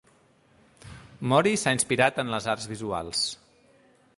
Mori s'ha inspirat en les arts visuals.